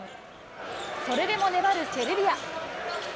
それでも粘るセルビア。